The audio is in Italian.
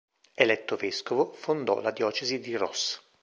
Eletto vescovo, fondò la diocesi di Ross.